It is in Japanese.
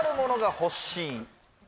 欲しい？